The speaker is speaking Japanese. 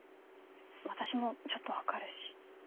私もちょっと分かるし。